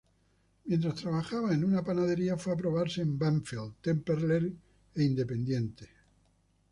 Mientras trabajaba en una panadería, fue a probarse en Banfield, Temperley e Independiente.